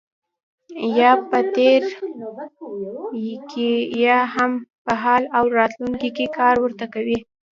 یا په تېر کې یا هم په حال او راتلونکي کې کار ورته کوي.